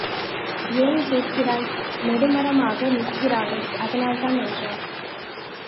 ஏன் கேட்கிறாய்? நெடுமரமாக நிற்கிறாளே அதனால்தான் என்றான்.